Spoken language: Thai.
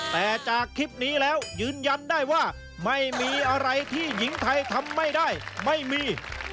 แต่จากคลิปนี้แล้วยืนยันได้ว่าไม่มีอะไรที่หญิงไทยทำไม่ได้ไม่มี